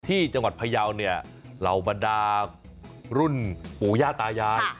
ที่จังหวัดพยาวเนี่ยเหล่าบรรดารุ่นปู่ย่าตายาย